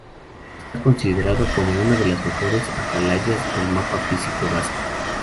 Está considerado como "una de las mejores atalayas del mapa físico vasco".